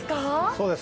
そうです。